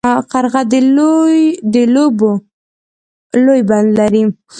قرغه د اوبو لوی بند لري.